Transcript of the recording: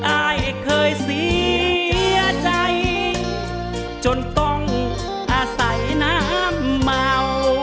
อายเคยเสียใจจนต้องอาศัยน้ำเมา